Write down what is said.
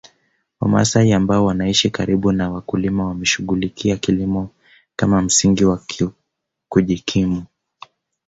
Wamasai ambao wanaishi karibu na wakulima wameshughulikia kilimo kama msingi wa kujikimu